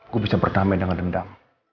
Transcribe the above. gue bisa bernama dengan dendam